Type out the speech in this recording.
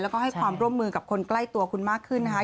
แล้วก็ให้ความร่วมมือกับคนใกล้ตัวคุณมากขึ้นนะคะ